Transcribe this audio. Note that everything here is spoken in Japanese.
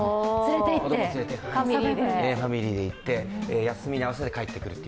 子供連れてファミリーで行って、休みの明けに帰ってくる。